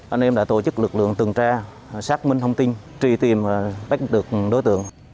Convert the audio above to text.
anh em đã tổ chức lực lượng từng tra xác minh thông tin truy tìm và bắt được đối tượng